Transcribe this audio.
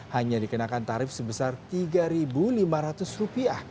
hanya dikenakan tarif sebesar rp tiga lima ratus